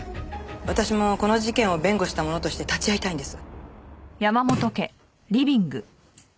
私もこの事件を弁護した者として立ち会いたいんです。